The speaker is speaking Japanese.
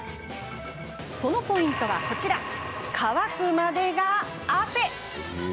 そのポイントは「乾くまでが汗」。